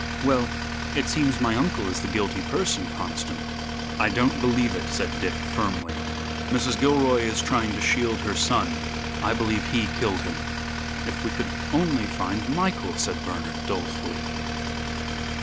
"Well, it seems my uncle is the guilty person, Conniston." "I don't believe it," said Dick, firmly. "Mrs. Gilroy is trying to shield her son. I believe he killed him." "If we could only find Michael," said Bernard, dolefully.